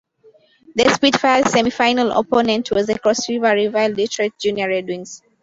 The Spitfires semi-final opponent was their cross-river rival Detroit Junior Red Wings.